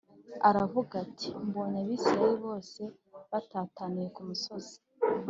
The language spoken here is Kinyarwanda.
aravuga ati mbonye Abisirayeli bose batataniye ku misozi